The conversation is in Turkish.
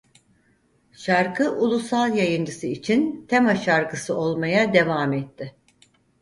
Şarkı ulusal yayıncısı için tema şarkısı olmaya devam etti.